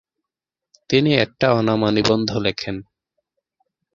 তিনি একটা অনামা নিবন্ধ লেখেন।